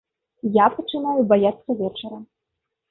Я пачынаю баяцца вечара.